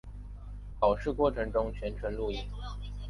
考试过程中全程录音。